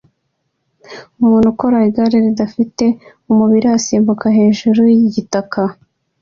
Umuntu ukora igare ridafite umubiri asimbuka hejuru yigitaka